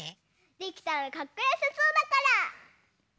できたらかっこよさそうだから！